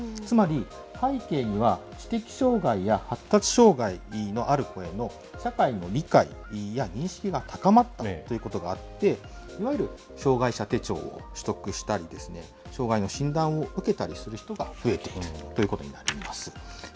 つまり、背景には知的障害や発達障害のある子への社会の理解や認識が高まったということがあって、いわゆる、障害者手帳を取得したり、障害の診断を受けたりする人が増えているということになります。